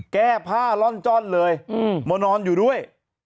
แก้ผ้าล่อนจ้อนเลยมานอนอยู่ด้วย